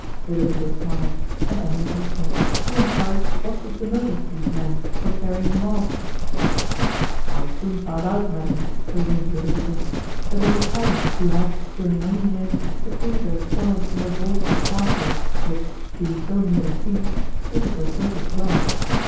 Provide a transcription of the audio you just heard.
Ludovico smiled, and Emily also, who enquired what was the motive of these men for carrying him off. "I soon found out, madam," resumed Ludovico, "that they were pirates, who had, during many years, secreted their spoil in the vaults of the castle, which, being so near the sea, suited their purpose well.